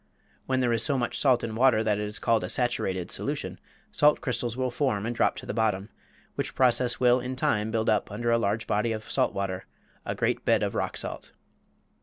When there is so much salt in water that it is called a saturated solution, salt crystals will form and drop to the bottom, which process will in time build up under a large body of salt water a great bed of rock salt.